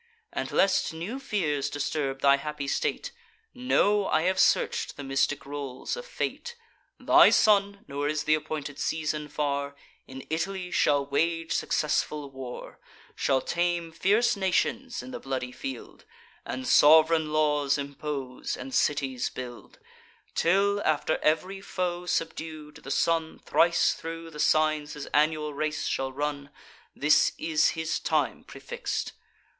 And, lest new fears disturb thy happy state, Know, I have search'd the mystic rolls of Fate: Thy son (nor is th' appointed season far) In Italy shall wage successful war, Shall tame fierce nations in the bloody field, And sov'reign laws impose, and cities build, Till, after ev'ry foe subdued, the sun Thrice thro' the signs his annual race shall run: This is his time prefix'd.